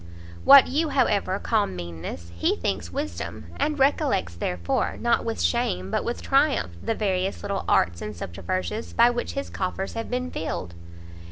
What you, however, call meanness, he thinks wisdom, and recollects, therefore, not with shame but with triumph, the various little arts and subterfuges by which his coffers have been filled."